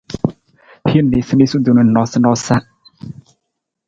Hin niisaniisatu na noosanoosa.